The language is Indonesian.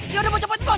yaudah boh cepetan boy